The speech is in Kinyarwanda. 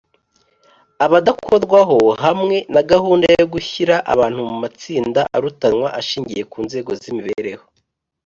abadakorwaho hamwe na gahunda yo gushyira abantu mu matsinda arutanwa ashingiye ku nzego z’imibereho